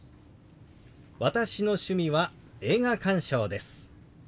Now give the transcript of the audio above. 「私の趣味は映画鑑賞です」。